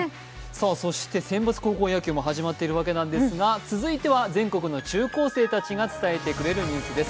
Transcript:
選抜高校野球も始まっているわけなんですが続いては全国の中高生たちが伝えてくれるニュースです。